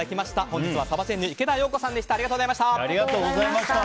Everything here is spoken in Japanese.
本日は、サバジェンヌ池田陽子さんでした。